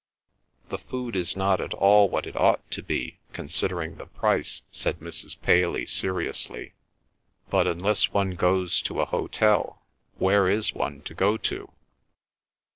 "The food is not at all what it ought to be, considering the price," said Mrs. Paley seriously. "But unless one goes to a hotel where is one to go to?"